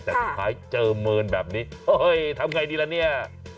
แต่สุดท้ายเจอเมินแบบนี้เฮ้ยทำไงดีละเนี่ย